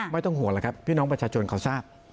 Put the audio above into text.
ไม่ต้องห่วงแล้วครับพี่น้องประชาชนเขาทราบ